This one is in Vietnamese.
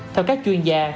theo các chuyên gia